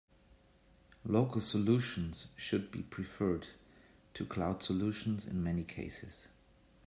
Local solutions should be preferred to cloud solutions in many cases.